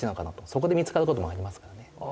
そこで見つかることもありますからね。